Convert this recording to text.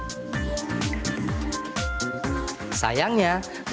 saya sudah pilih kita bisa mencoba